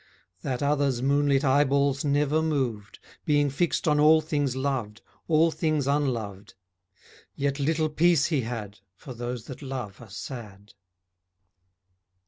That other's moonlit eyeballs never moved, Being fixed on all things loved, all things unloved, Yet little peace he had For those that love are sad.